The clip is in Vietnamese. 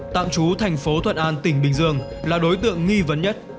tạm trú thành phố thuận an tỉnh bình dương là đối tượng nghi vấn nhất